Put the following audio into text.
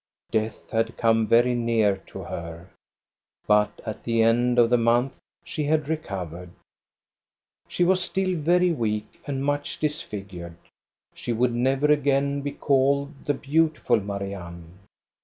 Death had come very near to her, but at the end of the month she had recov ered. She was still very weak and much disfig ured. She would never again be called the beautiful Marianne.